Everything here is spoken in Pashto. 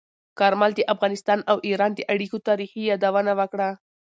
کارمل د افغانستان او ایران د اړیکو تاریخي یادونه وکړه.